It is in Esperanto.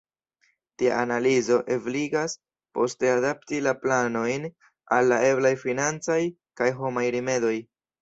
Tia analizo ebligas poste adapti la planojn al la eblaj financaj kaj homaj rimedoj.